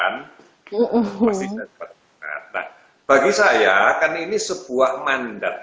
nah bagi saya kan ini sebuah mandat